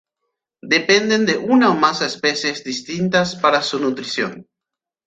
Dependen de una o más especies distintas para su nutrición.